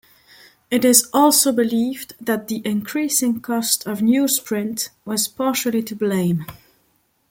It is also believed that the increasing cost of newsprint was partially to blame.